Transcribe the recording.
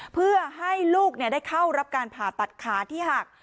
เพื่อให้ลูกได้เข้ารับการผ่าตัดขาที่หัก